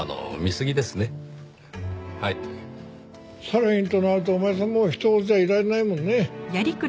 サルウィンとなるとお前さんも他人事じゃいられないもんね。